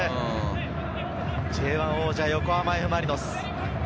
Ｊ１王者、横浜Ｆ・マリノス。